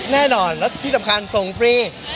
แน่นอนแล้วที่สำคัญส่งฟรี